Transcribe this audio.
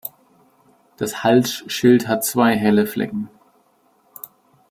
Das Halsschild hat zwei helle Flecken.